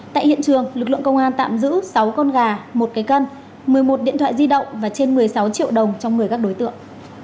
tại hiện trường lực lượng công an tạm giữ sáu con gà một cây cân một mươi một điện thoại di động và trên một mươi sáu triệu đồng trong người các đối tượng